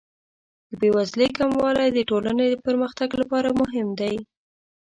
د بې وزلۍ کموالی د ټولنې د پرمختګ لپاره مهم دی.